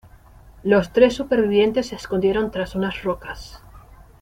Los tres supervivientes se escondieron tras unas rocas.